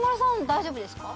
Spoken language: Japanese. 大丈夫ですか？